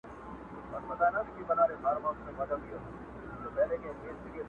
ستاله غېږي به نن څرنګه ډارېږم!.